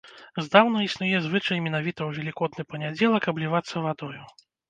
Здаўна існуе звычай менавіта ў велікодны панядзелак аблівацца вадою.